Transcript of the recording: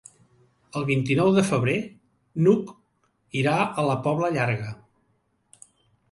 El vint-i-nou de febrer n'Hug irà a la Pobla Llarga.